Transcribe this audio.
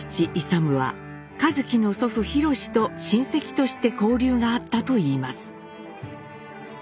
勇は一輝の祖父廣と親戚として交流があったといいます。